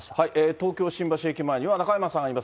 東京・新橋駅前には中山さんがいます。